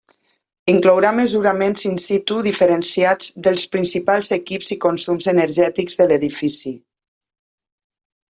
Inclourà mesuraments in situ diferenciats dels principals equips i consums energètics de l'edifici.